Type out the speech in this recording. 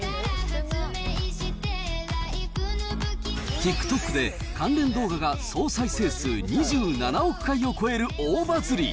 ＴｉｋＴｏｋで関連動画が総再生数２７億回を超える大バズり。